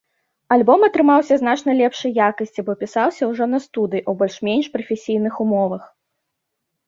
Альбом атрымаўся значна лепшай якасці, бо пісаўся ўжо на студыі, у больш-менш прафесійных умовах.